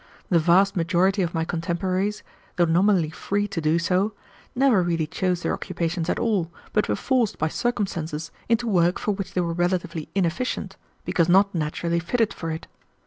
The vast majority of my contemporaries, though nominally free to do so, never really chose their occupations at all, but were forced by circumstances into work for which they were relatively inefficient, because not naturally fitted for it.